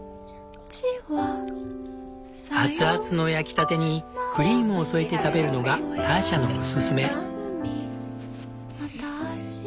熱々の焼きたてにクリームを添えて食べるのがターシャのおすすめ。